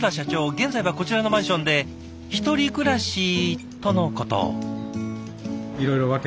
現在はこちらのマンションで１人暮らしとのこと。